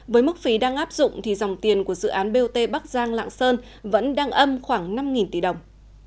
với mức phí đang áp dụng thì dòng tiền của dự án bot bắc giang lạng sơn vẫn đang âm khoảng năm tỷ đồng